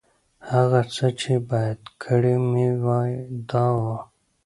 هغه څه چې باید کړي مې وای، دا و.